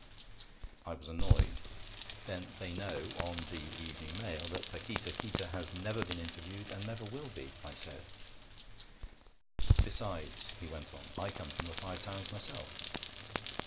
I was annoyed. 'Then they know, on the Evening Mail that Paquita Qita has never been interviewed, and never will be,' I said. 'Besides,' he went on, 'I come from the Five Towns myself.'